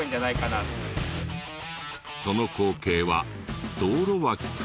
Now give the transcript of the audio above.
その光景は道路脇から。